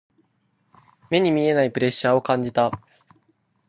目に見えないプレッシャーを感じた。